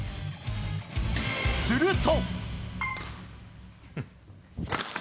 すると。